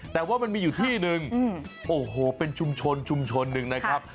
แต่ว่ามันมีอยู่ที่นึงโอ้โหเป็นชุมชนนึงนะครับ